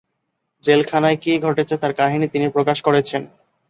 জেলখানায় কী ঘটেছে তার কাহিনী তিনি প্রকাশ করেছেন।